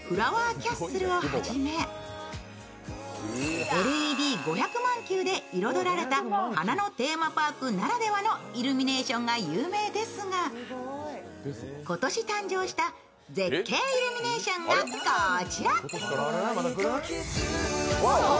キャッスルをはじめＬＥＤ５００万球で彩られた花のテーマパークならでのイルミネーションが有名ですが今年誕生した絶景イルミネーションがこちら。